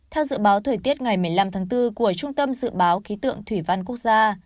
theo dự báo thời tiết ngày một mươi năm tháng bốn của trung tâm dự báo khí tượng thủy văn quốc gia